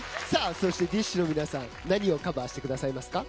ＤＩＳＨ／／の皆さん何をカバーしてくださいますか？